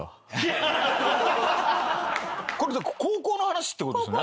これ高校の話って事ですよね？